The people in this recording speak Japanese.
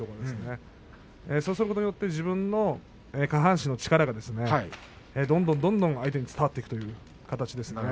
そうすることによって自分の下半身の力がどんどんどんどん相手に伝わっていくという形ですね。